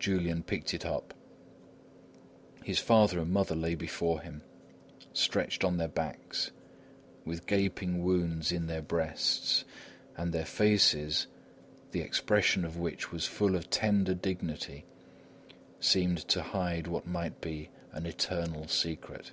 Julian picked it up. His father and mother lay before him, stretched on their backs, with gaping wounds in their breasts; and their faces, the expression of which was full of tender dignity, seemed to hide what might be an eternal secret.